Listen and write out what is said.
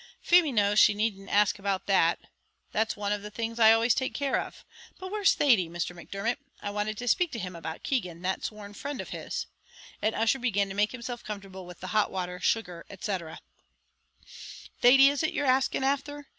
"Feemy knows she needn't ask about that; that's one of the things I always take care of. But where's Thady, Mr. Macdermot? I wanted to speak to him about Keegan, that sworn friend of his:" and Ussher began to make himself comfortable with the hot water, sugar, &c. "Thady is it you're axing afther?